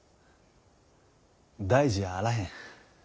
大事あらへん。